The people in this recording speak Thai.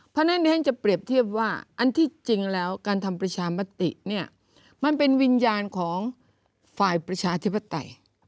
เพราะฉะนั้นฉันจะเปรียบเทียบว่าอันที่จริงแล้วการทำประชามติเนี่ยมันเป็นวิญญาณของฝ่ายประชาธิปไตย